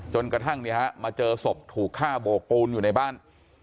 จนกระทั่งมาเจอศพถูกฆ่าโบกปูนอยู่ในบ้าน